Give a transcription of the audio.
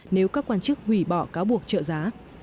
nếu các quan chức hủy bỏ cáo buộc trợ giá